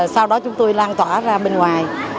sau đó chúng tôi lan tỏa ra bên ngoài